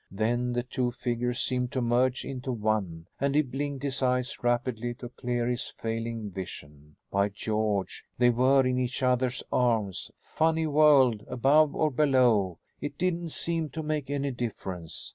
Then the two figures seemed to merge into one and he blinked his eyes rapidly to clear his failing vision. By George, they were in each other's arms! Funny world above or below it didn't seem to make any difference.